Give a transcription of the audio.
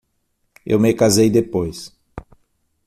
Eu me casei depois.